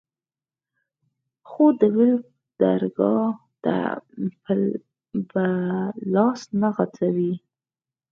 خو د بل درګا ته به لاس نه غځوې.